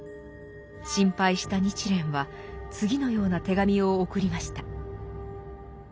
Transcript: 心配した日蓮は次のような手紙を送りました。